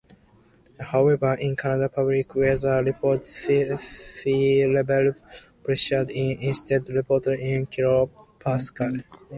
However, in Canada's public weather reports, sea level pressure is instead reported in kilopascals.